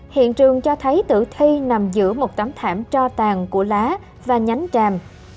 hiện trường cho thấy tử thi nằm giữa một tấm thảm cho tàn của lá và nhánh tràm